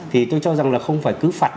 thì tôi cho rằng là không phải cứ phạt